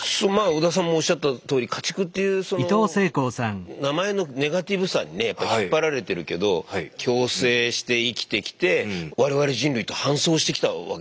織田さんもおっしゃったとおり家畜っていうその名前のネガティブさにねやっぱ引っ張られてるけど共生して生きてきて我々人類と伴走してきたわけだからさそれこそ。